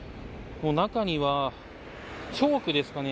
中にはチョークですかね。